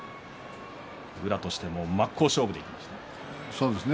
宇良としても真っ向勝負でいきましたね。